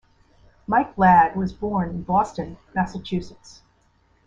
Mike Ladd was born in Boston, Massachusetts.